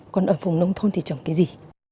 còn ở phùng nông thôn thì trồng cây gì